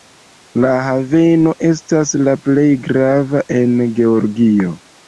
La haveno estas la plej grava en Georgio.